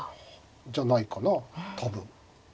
じゃないかな多分。